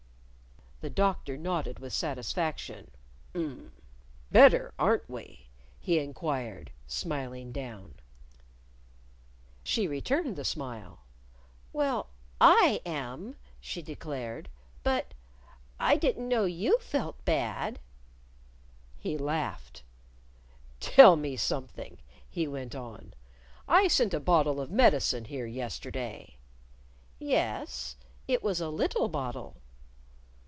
The Doctor nodded with satisfaction. "Um! Better, aren't we?" he inquired, smiling down. She returned the smile. "Well, I am," she declared. "But I didn't know you felt bad." He laughed. "Tell me something," he went on. "I sent a bottle of medicine here yesterday." "Yes. It was a little bottle."